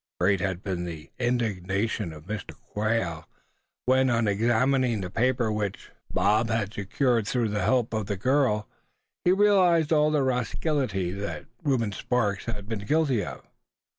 Great had been the indignation of Mr. Quail when, on examining the paper which Bob had secured through the help of the girl, he realized all the rascality that Reuben Sparks had been guilty of.